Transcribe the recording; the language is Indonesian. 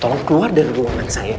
tolong keluar dari ruangan saya